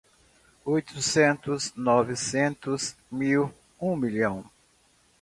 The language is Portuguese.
Oitocentos, novecentos, mil, um milhão